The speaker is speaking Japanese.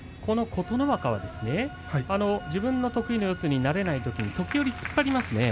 この琴ノ若は自分の得意な四つになれないとき時折、突っ張りますね。